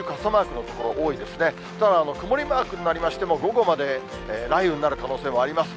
ただ曇りマークになりましても、午後まで雷雨になる可能性もあります。